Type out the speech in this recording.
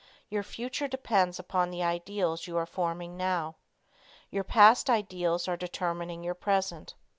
Your future depends upon the ideals you are forming now. Your past ideals are determining your present.